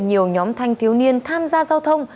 nhiều nhóm thanh thiếu niên tham gia giao thông